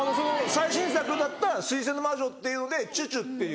最新作だった『水星の魔女』っていうのでチュチュっていう。